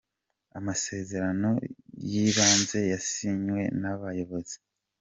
amasezerano yibanze yasinwe nabayobozi.